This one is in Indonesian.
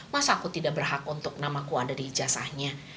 masa aku tidak berhak untuk namaku ada di ijazahnya